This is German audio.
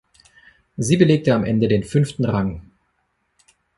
Sie belegte am Ende den fünften Rang.